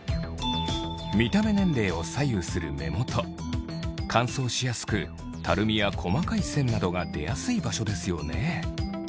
見た目年齢を左右する目元乾燥しやすくたるみや細かい線などが出やすい場所ですよね